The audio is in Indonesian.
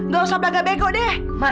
gak usah belaga bego deh